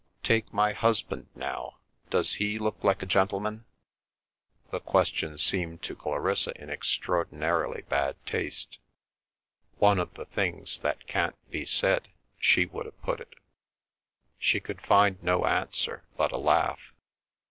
"Take my husband now, does he look like a gentleman?" The question seemed to Clarissa in extraordinarily bad taste. "One of the things that can't be said," she would have put it. She could find no answer, but a laugh.